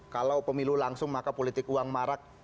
kalau pemilu langsung maka politik uang marak